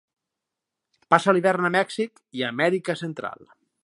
Passa l'hivern a Mèxic i Amèrica Central.